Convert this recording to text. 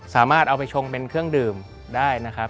สามารถเอาไปชงเป็นเครื่องดื่มได้นะครับ